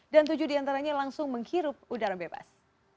dan tujuh diantaranya langsung menghirup udara bebas